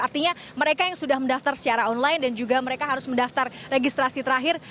artinya mereka yang sudah mendaftar secara online dan juga mereka harus mendaftar registrasi terakhir